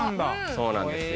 そうなんですよ。